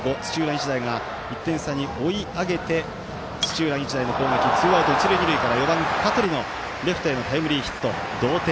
日大が１点差に追い上げて土浦日大の攻撃ツーアウト、一塁二塁から４番、香取のレフトへのタイムリーヒット同点。